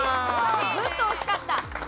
ずっと惜しかった。